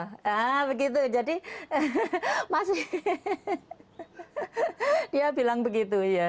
haa begitu jadi masih dia bilang begitu ya